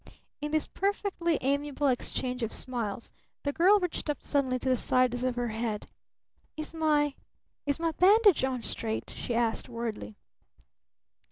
In this perfectly amiable exchange of smiles the girl reached up suddenly to the sides of her head. "Is my is my bandage on straight?" she asked worriedly.